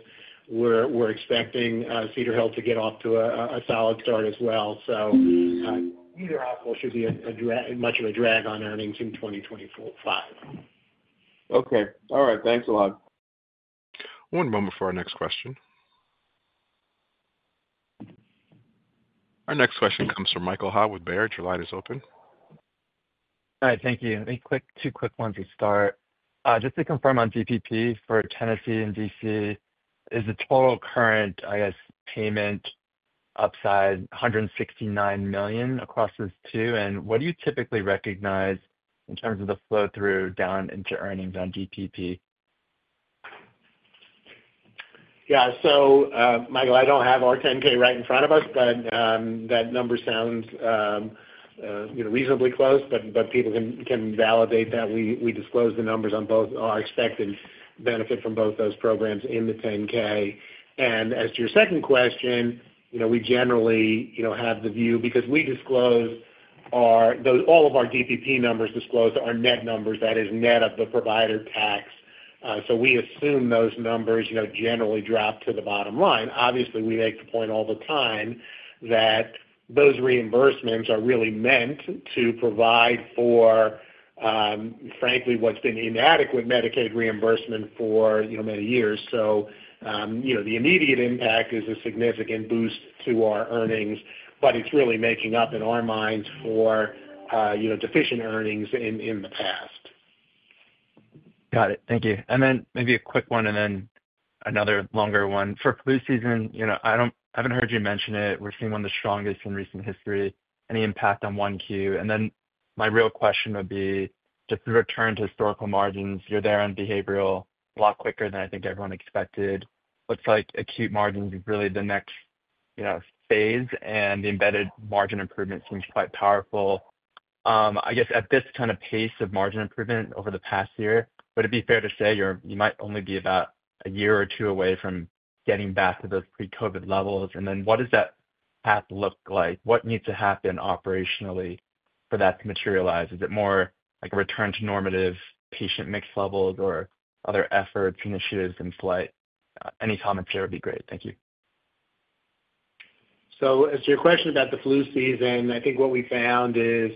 We're expecting Cedar Hill to get off to a solid start as well. So neither hospital should be much of a drag on earnings in 2025. Okay. All right. Thanks a lot. One moment for our next question. Our next question comes from Michael Ha with Baird. Your line is open. All right. Thank you. Two quick ones to start. Just to confirm on DPP for Tennessee and DC, is the total current, I guess, payment upside $169 million across those two? And what do you typically recognize in terms of the flow-through down into earnings on DPP? Yeah. So Michael, I don't have our 10-K right in front of us, but that number sounds reasonably close. But people can validate that we disclose the numbers on both our expected benefit from both those programs in the 10-K. And as to your second question, we generally have the view because all of our DPP numbers disclose our net numbers. That is net of the provider tax. So we assume those numbers generally drop to the bottom line. Obviously, we make the point all the time that those reimbursements are really meant to provide for, frankly, what's been inadequate Medicaid reimbursement for many years. So the immediate impact is a significant boost to our earnings, but it's really making up in our minds for deficient earnings in the past. Got it. Thank you. And then maybe a quick one and then another longer one. For flu season, I haven't heard you mention it. We're seeing one of the strongest in recent history. Any impact on 1Q? And then my real question would be just to return to historical margins. You're there on behavioral a lot quicker than I think everyone expected. Looks like acute margins is really the next phase, and the embedded margin improvement seems quite powerful. I guess at this kind of pace of margin improvement over the past year, would it be fair to say you might only be about a year or two away from getting back to those pre-COVID levels? And then what does that path look like? What needs to happen operationally for that to materialize? Is it more like a return to normative patient mix levels or other efforts, initiatives in flight? Any commentary would be great. Thank you. So as to your question about the flu season, I think what we found is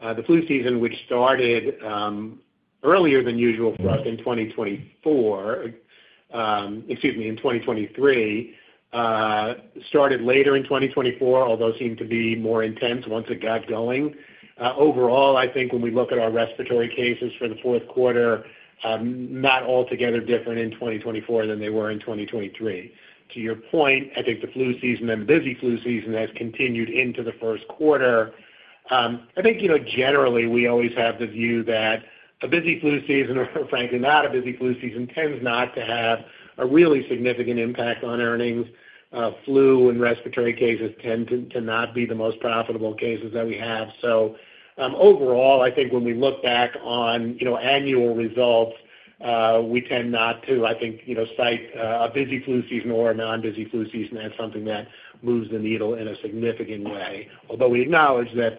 the flu season, which started earlier than usual for us in 2024, excuse me, in 2023, started later in 2024, although seemed to be more intense once it got going. Overall, I think when we look at our respiratory cases for the fourth quarter, not altogether different in 2024 than they were in 2023. To your point, I think the flu season and the busy flu season has continued into the first quarter. I think generally, we always have the view that a busy flu season, or frankly, not a busy flu season, tends not to have a really significant impact on earnings. Flu and respiratory cases tend to not be the most profitable cases that we have. So overall, I think when we look back on annual results, we tend not to, I think, cite a busy flu season or a non-busy flu season as something that moves the needle in a significant way, although we acknowledge that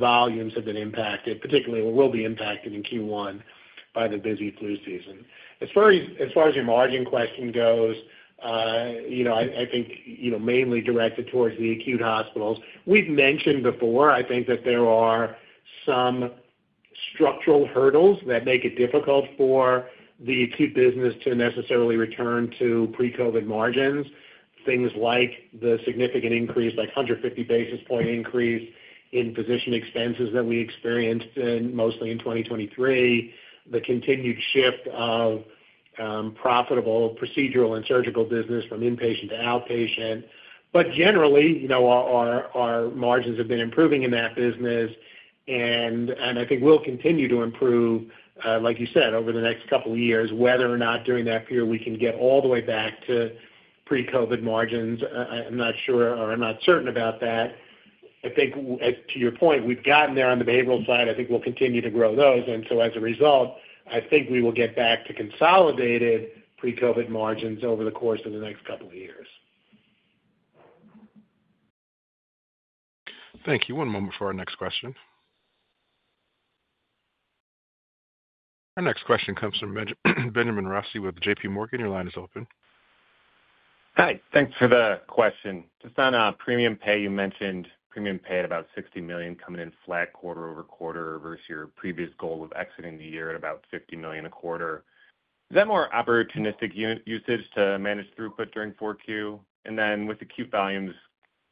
volumes have been impacted, particularly or will be impacted in Q1 by the busy flu season. As far as your margin question goes, I think mainly directed towards the acute hospitals. We've mentioned before, I think, that there are some structural hurdles that make it difficult for the acute business to necessarily return to pre-COVID margins. Things like the significant increase, like 150 basis points increase in physician expenses that we experienced mostly in 2023, the continued shift of profitable procedural and surgical business from inpatient to outpatient. But generally, our margins have been improving in that business. And I think we'll continue to improve, like you said, over the next couple of years, whether or not during that period we can get all the way back to pre-COVID margins. I'm not sure or I'm not certain about that. I think, to your point, we've gotten there on the behavioral side. I think we'll continue to grow those. And so as a result, I think we will get back to consolidated pre-COVID margins over the course of the next couple of years. Thank you. One moment for our next question. Our next question comes from Ben Rossi with J.P. Morgan. Your line is open. Hi. Thanks for the question. Just on premium pay, you mentioned premium pay at about $60 million coming in flat quarter over quarter versus your previous goal of exiting the year at about $50 million a quarter. Is that more opportunistic usage to manage throughput during 4Q? And then with acute volumes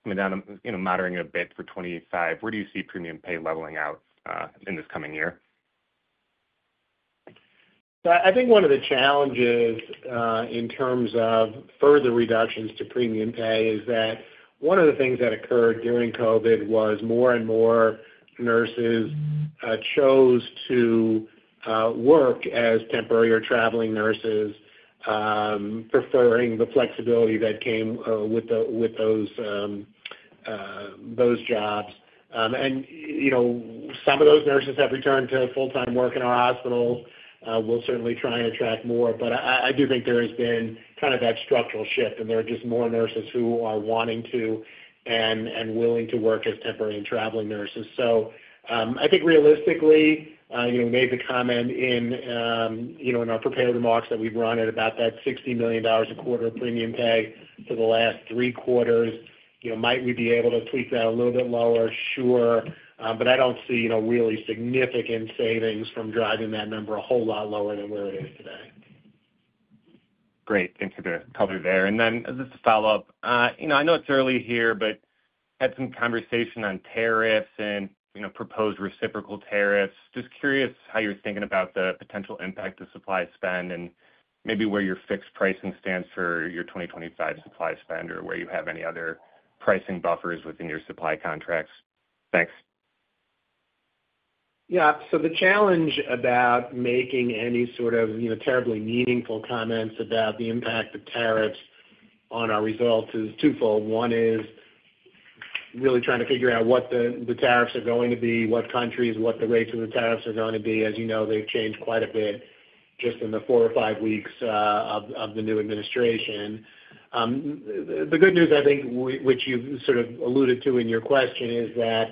coming down, moderating a bit for 2025, where do you see premium pay leveling out in this coming year? I think one of the challenges in terms of further reductions to premium pay is that one of the things that occurred during COVID was more and more nurses chose to work as temporary or traveling nurses, preferring the flexibility that came with those jobs. Some of those nurses have returned to full-time work in our hospitals. We'll certainly try and attract more. I do think there has been kind of that structural shift, and there are just more nurses who are wanting to and willing to work as temporary and traveling nurses. I think realistically, we made the comment in our prepared remarks that we've run at about that $60 million a quarter of premium pay for the last three quarters. Might we be able to tweak that a little bit lower? Sure. But I don't see really significant savings from driving that number a whole lot lower than where it is today. Great. Thanks for the color there. And then as a follow-up, I know it's early here, but had some conversation on tariffs and proposed reciprocal tariffs. Just curious how you're thinking about the potential impact of supply spend and maybe where your fixed pricing stands for your 2025 supply spend or where you have any other pricing buffers within your supply contracts? Thanks. Yeah. So the challenge about making any sort of terribly meaningful comments about the impact of tariffs on our results is twofold. One is really trying to figure out what the tariffs are going to be, what countries, what the rates of the tariffs are going to be. As you know, they've changed quite a bit just in the four or five weeks of the new administration. The good news, I think, which you've sort of alluded to in your question, is that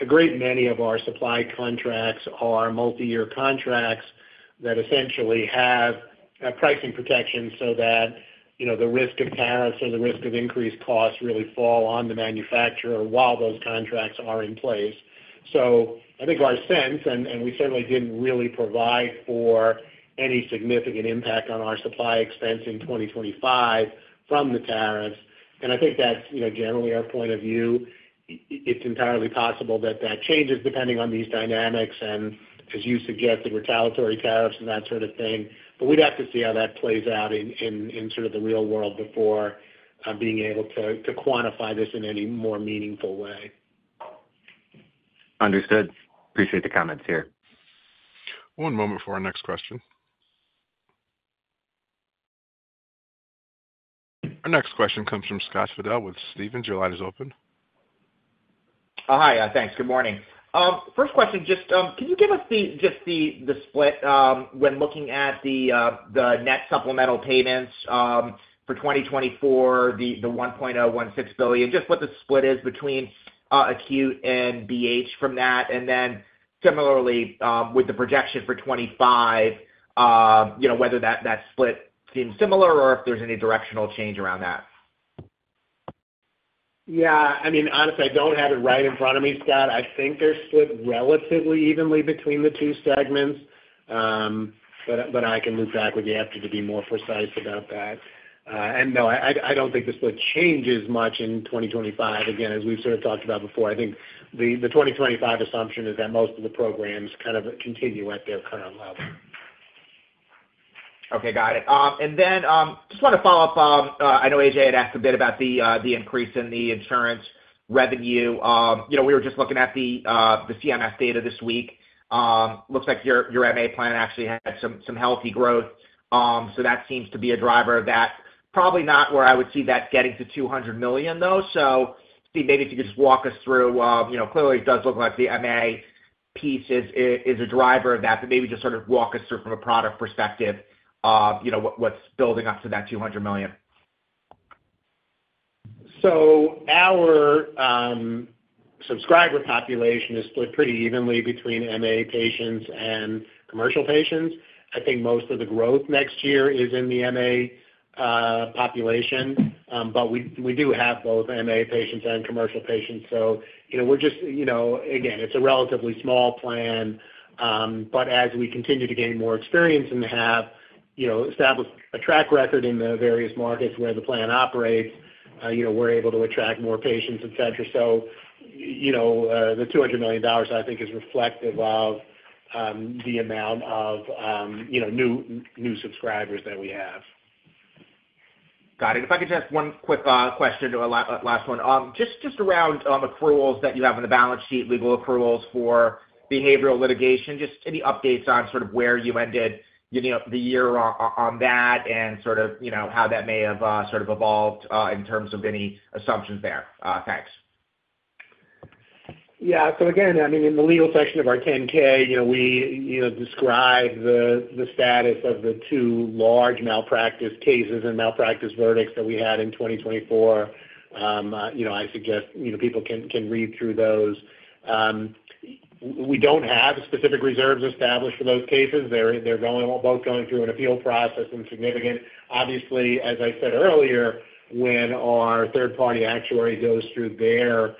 a great many of our supply contracts are multi-year contracts that essentially have pricing protection so that the risk of tariffs or the risk of increased costs really fall on the manufacturer while those contracts are in place. So I think our sense, and we certainly didn't really provide for any significant impact on our supply expense in 2025 from the tariffs. I think that's generally our point of view. It's entirely possible that that changes depending on these dynamics and, as you suggested, retaliatory tariffs and that sort of thing. But we'd have to see how that plays out in sort of the real world before being able to quantify this in any more meaningful way. Understood. Appreciate the comments here. One moment for our next question. Our next question comes from Scott Fidel with Stephens. Your line is open. Hi. Thanks. Good morning. First question, just can you give us just the split when looking at the net supplemental payments for 2024, the $1.016 billion, just what the split is between acute and BH from that? And then similarly with the projection for 2025, whether that split seems similar or if there's any directional change around that? Yeah. I mean, honestly, I don't have it right in front of me, Scott. I think they're split relatively evenly between the two segments, but I can loop back with you after to be more precise about that. And no, I don't think the split changes much in 2025. Again, as we've sort of talked about before, I think the 2025 assumption is that most of the programs kind of continue at their current level. Okay. Got it. And then just want to follow up. I know AJ had asked a bit about the increase in the insurance revenue. We were just looking at the CMS data this week. Looks like your MA plan actually had some healthy growth. So that seems to be a driver of that. Probably not where I would see that getting to $200 million, though. So maybe if you could just walk us through, clearly, it does look like the MA piece is a driver of that, but maybe just sort of walk us through from a product perspective what's building up to that $200 million. So, our subscriber population is split pretty evenly between MA patients and commercial patients. I think most of the growth next year is in the MA population, but we do have both MA patients and commercial patients. So, we're just, again, it's a relatively small plan, but as we continue to gain more experience and have established a track record in the various markets where the plan operates, we're able to attract more patients, etc. So, the $200 million, I think, is reflective of the amount of new subscribers that we have. Got it. If I could just one quick question, last one. Just around accruals that you have on the balance sheet, legal accruals for behavioral litigation, just any updates on sort of where you ended the year on that and sort of how that may have sort of evolved in terms of any assumptions there. Thanks. Yeah. So again, I mean, in the legal section of our 10-K, we describe the status of the two large malpractice cases and malpractice verdicts that we had in 2024. I suggest people can read through those. We don't have specific reserves established for those cases. They're both going through an appeal process and significant. Obviously, as I said earlier, when our third-party actuary goes through their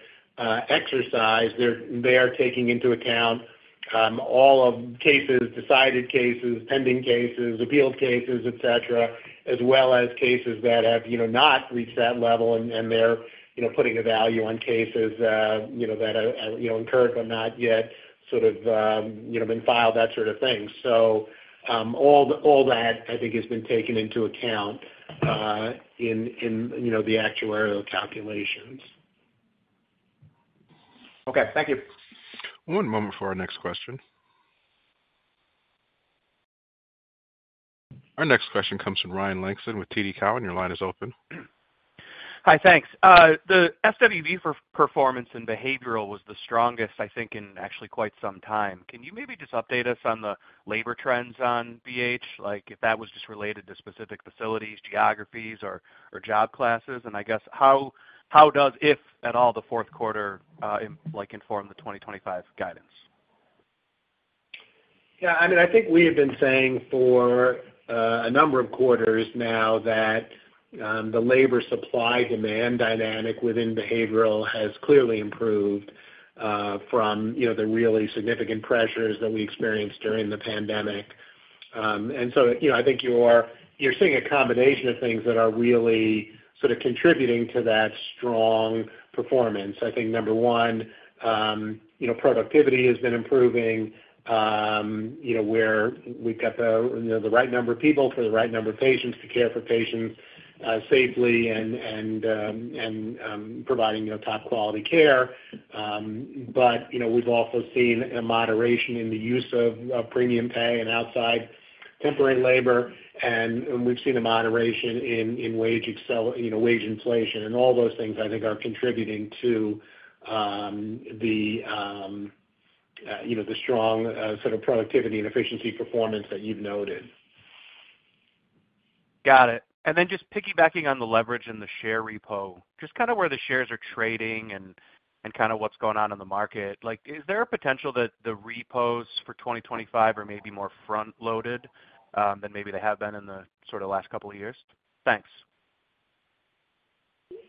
exercise, they are taking into account all of cases, decided cases, pending cases, appealed cases, etc., as well as cases that have not reached that level, and they're putting a value on cases that have incurred but not yet sort of been filed, that sort of thing. So all that, I think, has been taken into account in the actuarial calculations. Okay. Thank you. One moment for our next question. Our next question comes from Ryan Langston with TD Cowen. Your line is open. Hi. Thanks. The SWB performance in behavioral was the strongest, I think, in actually quite some time. Can you maybe just update us on the labor trends on BH, like if that was just related to specific facilities, geographies, or job classes? And I guess how does, if at all, the fourth quarter inform the 2025 guidance? Yeah. I mean, I think we have been saying for a number of quarters now that the labor supply-demand dynamic within behavioral has clearly improved from the really significant pressures that we experienced during the pandemic. And so I think you're seeing a combination of things that are really sort of contributing to that strong performance. I think number one, productivity has been improving where we've got the right number of people for the right number of patients to care for patients safely and providing top-quality care. But we've also seen a moderation in the use of premium pay and outside temporary labor, and we've seen a moderation in wage inflation. And all those things, I think, are contributing to the strong sort of productivity and efficiency performance that you've noted. Got it. And then just piggybacking on the leverage and the share repo, just kind of where the shares are trading and kind of what's going on in the market, is there a potential that the repos for 2025 are maybe more front-loaded than maybe they have been in the sort of last couple of years? Thanks.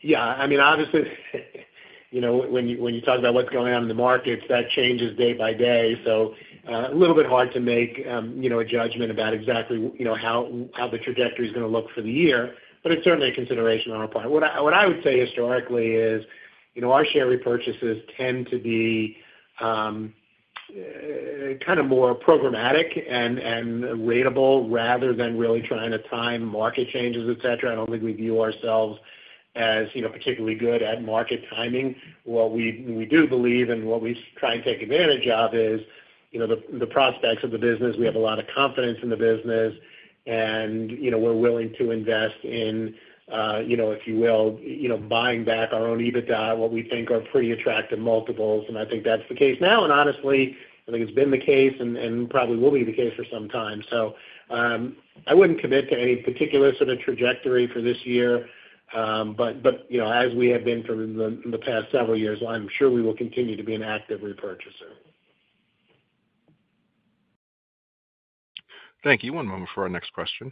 Yeah. I mean, obviously, when you talk about what's going on in the markets, that changes day by day. So a little bit hard to make a judgment about exactly how the trajectory is going to look for the year, but it's certainly a consideration on our part. What I would say historically is our share repurchases tend to be kind of more programmatic and ratable rather than really trying to time market changes, etc. I don't think we view ourselves as particularly good at market timing. What we do believe and what we try and take advantage of is the prospects of the business. We have a lot of confidence in the business, and we're willing to invest in, if you will, buying back our own EBITDA, what we think are pretty attractive multiples. And I think that's the case now. And honestly, I think it's been the case and probably will be the case for some time. So I wouldn't commit to any particular sort of trajectory for this year, but as we have been for the past several years, I'm sure we will continue to be an active repurchaser. Thank you. One moment for our next question.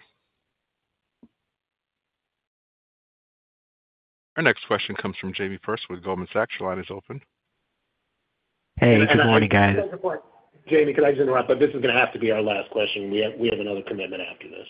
Our next question comes from Jamie Perse with Goldman Sachs. Your line is open. Hey. Good morning, guys. Jamie, could I just interrupt? But this is going to have to be our last question. We have another commitment after this.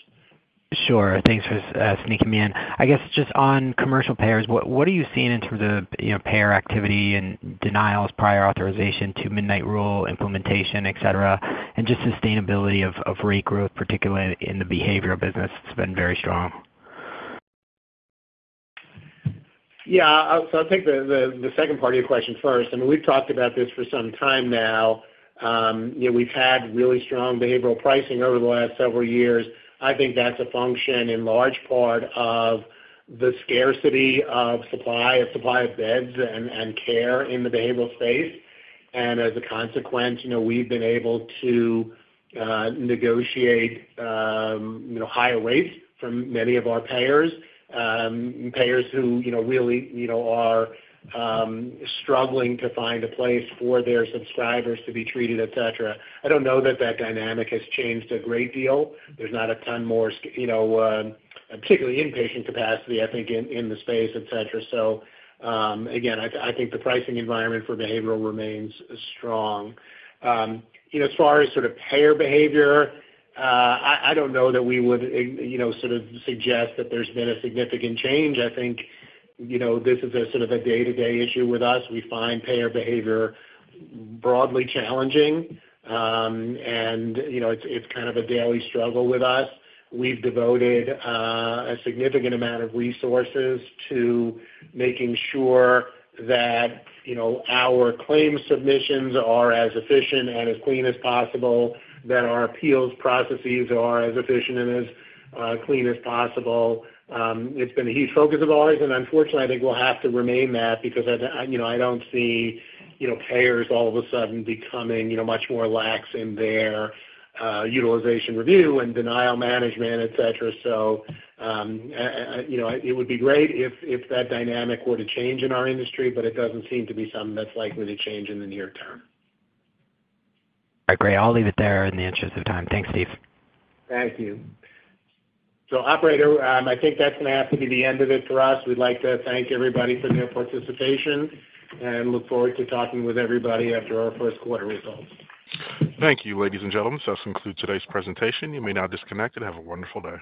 Sure. Thanks for sneaking me in. I guess just on commercial payers, what are you seeing in terms of payer activity and denials, prior authorization, Two-Midnight Rule implementation, etc., and just sustainability of rate growth, particularly in the behavioral business? It's been very strong. Yeah. So I'll take the second part of your question first. I mean, we've talked about this for some time now. We've had really strong behavioral pricing over the last several years. I think that's a function in large part of the scarcity of supply of beds and care in the behavioral space. And as a consequence, we've been able to negotiate higher rates from many of our payers, payers who really are struggling to find a place for their subscribers to be treated, etc. I don't know that that dynamic has changed a great deal. There's not a ton more, particularly inpatient capacity, I think, in the space, etc. So again, I think the pricing environment for behavioral remains strong. As far as sort of payer behavior, I don't know that we would sort of suggest that there's been a significant change. I think this is sort of a day-to-day issue with us. We find payer behavior broadly challenging, and it's kind of a daily struggle with us. We've devoted a significant amount of resources to making sure that our claim submissions are as efficient and as clean as possible, that our appeals processes are as efficient and as clean as possible. It's been a huge focus of ours, and unfortunately, I think we'll have to remain that because I don't see payers all of a sudden becoming much more lax in their utilization review and denial management, etc. So it would be great if that dynamic were to change in our industry, but it doesn't seem to be something that's likely to change in the near term. All right. Great. I'll leave it there in the interest of time. Thanks, Steve. Thank you. So operator, I think that's going to have to be the end of it for us. We'd like to thank everybody for their participation and look forward to talking with everybody after our first quarter results. Thank you, ladies and gentlemen. So that concludes today's presentation. You may now disconnect and have a wonderful day.